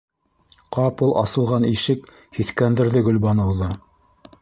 Ҡапыл асылған ишек һиҫкәндерҙе Гөлбаныуҙы.